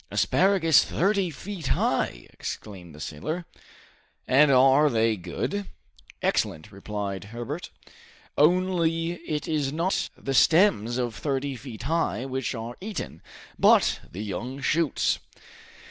"Asparagus thirty feet high!" exclaimed the sailor. "And are they good?" "Excellent," replied Herbert. "Only it is not the stems of thirty feet high which are eaten, but the young shoots."